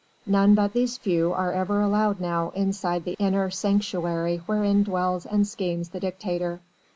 None but these few are ever allowed now inside the inner sanctuary wherein dwells and schemes the dictator.